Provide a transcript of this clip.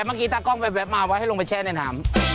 เมื่อกี้ตากล้องแว๊บมาว่าให้ลงไปแช่ในน้ำ